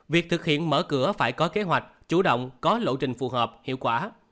việc thực hiện mở cửa phải có kế hoạch chủ động có lộ trình phù hợp hiệu quả